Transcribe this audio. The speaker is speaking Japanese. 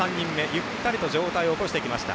ゆったりと上体を起こしてきました。